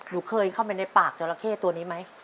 หนูเคยเข้าไปในปากจราเข้ตัวนี้ไหม